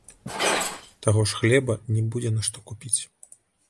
Таго ж хлеба не будзе на што купіць.